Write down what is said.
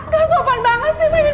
ya jangan lawan aja